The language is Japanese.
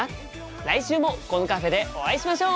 来週もこのカフェでお会いしましょう！